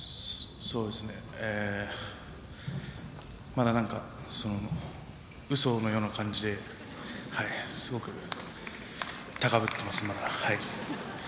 まだ、なんかうそのような感じですごくまだ高ぶってます。